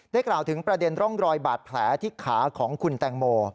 กล่าวถึงประเด็นร่องรอยบาดแผลที่ขาของคุณแตงโม